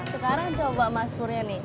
sekarang coba mas purnya nih